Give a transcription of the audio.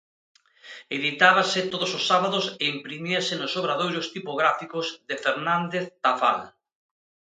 Editábase todos os sábados e imprimíase nos obradoiros tipográficos de Fernández Tafall.